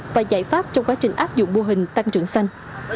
và giải pháp trong quá trình áp dụng mô hình tăng trưởng xanh